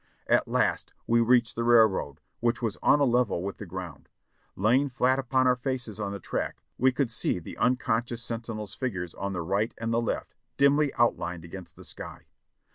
At last we reached the railroad, which was on a level with the ground. Lying fiat upon our faces on the track, we could see the unconscious sentinels' figures on the right and the left dimly outlined against the sky.